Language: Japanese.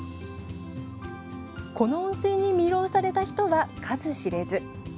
この温泉に魅了された人は数知れず。